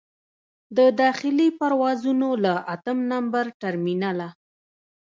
د داخلي پروازونو له اتم نمبر ټرمینله.